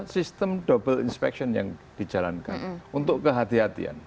sistem double inspection yang dijalankan untuk kehatian